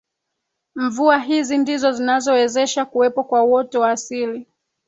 Mvua hizi ndizo zinazowezesha kuwepo kwa uoto wa asili